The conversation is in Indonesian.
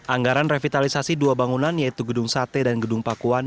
anggaran revitalisasi dua bangunan yaitu gedung sate dan gedung pakuan